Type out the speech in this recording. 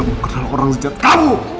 aku gak mau kenal orang sejarah kamu